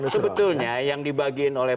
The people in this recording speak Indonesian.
sebetulnya yang dibagiin oleh